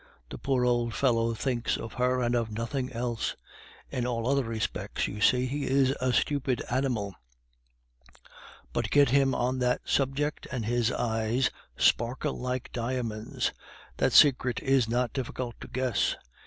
The poor old fellow thinks of her and of nothing else. In all other respects you see he is a stupid animal; but get him on that subject, and his eyes sparkle like diamonds. That secret is not difficult to guess.